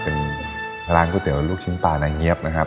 เป็นร้านก๋วยเตี๋ยวลูกชิ้นปลานางเงี๊ยบนะครับ